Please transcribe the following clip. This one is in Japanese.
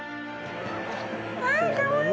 ああ、かわいい。